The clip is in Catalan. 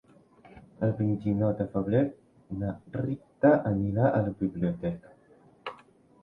El vint-i-nou de febrer na Rita anirà a la biblioteca.